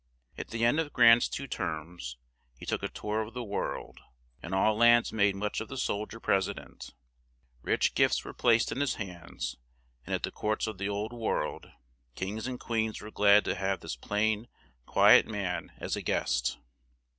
At the end of Grant's two terms, he took a tour of the world; and all lands made much of the sol dier pres i dent; rich gifts were placed in his hands; and at the courts of the old world, kings and queens were glad to have this plain qui et man as a guest.